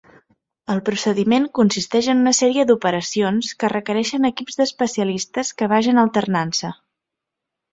El procediment consisteix en una sèrie d'operacions que requereixen equips d'especialistes que vagen alternant-se.